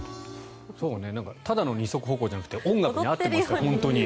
ただの二足歩行じゃなくて音楽に合ってましたね。